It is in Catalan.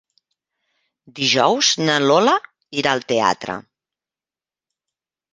Dijous na Lola irà al teatre.